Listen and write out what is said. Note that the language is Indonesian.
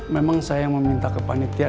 memang saya yang meminta ke panitia